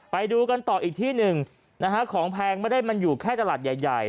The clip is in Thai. ไปดูกันต่ออีกที่หนึ่งนะฮะของแพงไม่ได้มันอยู่แค่ตลาดใหญ่